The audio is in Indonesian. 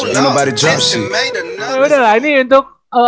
lu tinggal jawab setuju apa gak setuju